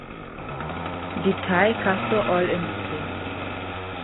Die Thai Castor Oil Ind.